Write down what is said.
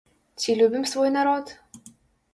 Ці любім свой народ?